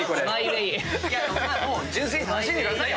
純粋に楽しんでくださいよ。